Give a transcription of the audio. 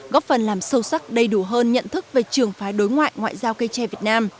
góp phần làm sâu sắc đầy đủ hơn nhận thức về trường phái đối ngoại ngoại giao cây tre việt nam